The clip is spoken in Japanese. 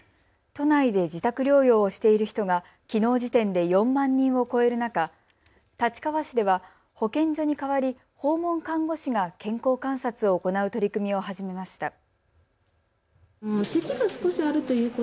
都内で自宅療養をしている人がきのう時点で４万人を超える中、立川市では保健所に代わり訪問看護師が健康観察を行う取り組みを始めました。